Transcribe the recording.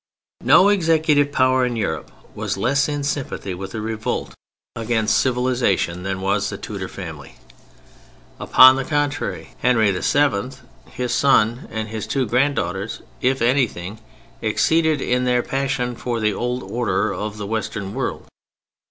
No executive power in Europe was less in sympathy with the revolt against civilization than was the Tudor family. Upon the contrary, Henry VII., his son, and his two granddaughters if anything exceeded in their passion for the old order of the Western world.